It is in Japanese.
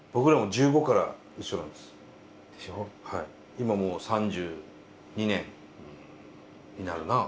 今もう３２年になるなあ。